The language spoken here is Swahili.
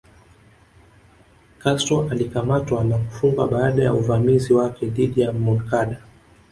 Castro alikamatwa na kufungwa baada ya uvamizi wake dhidi ya Moncada